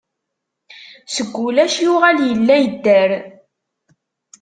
Seg ulac yuɣal yella, yedder.